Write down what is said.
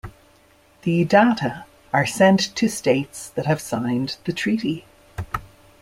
The data are sent to states that have signed the Treaty.